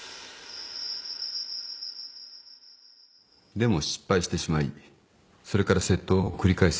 でも失敗してしまいそれから窃盗を繰り返すようになった。